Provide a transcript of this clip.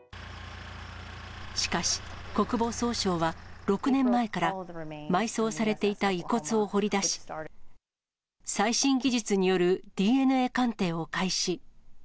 しかし、国防総省は６年前から埋葬されていた遺骨を掘り出し、最新技術によるＤＮＡ鑑定を開始。